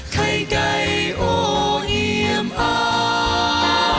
ไข่ไก่โอเยี่ยมอ้างอร่อยแท้อยากกิน